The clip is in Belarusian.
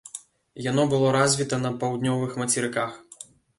Яно было развіта на паўднёвых мацерыках.